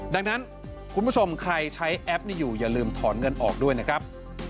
ดังนั้นคุณผู้ชมใครใช้แอปนี้อยู่อย่าลืมถอนเงินออกด้วยนะครับ